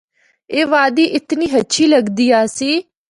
اے وادی اتنی ہچھی لگدی آسی۔